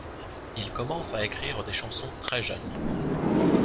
Il commence à écrire des chansons très jeune.